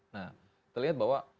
nah kita lihat bahwa